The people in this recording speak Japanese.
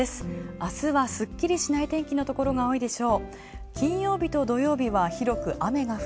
明日はすっきりしない天気のところが多いでしょう。